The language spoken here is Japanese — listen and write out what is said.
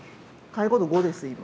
介護度５です今。